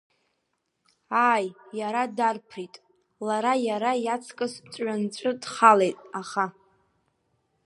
Ааи, иара дарԥрит, лара иара иаҵкыс ҵәҩанҵәы дхалеит, аха…